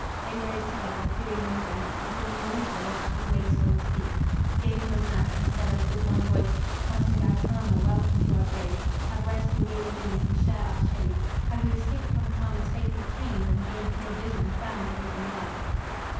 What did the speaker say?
They rose together, doing reverence, And bringing water washed his way soiled feet, Gave him a mat, and said as with one voice: "Master Gautama, welcome to our grove. Here rest your weary limbs and share our shade. Have you escaped from karma's fatal chains And gained clear vision found the living light?"